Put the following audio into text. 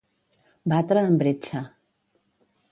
Batre en bretxa.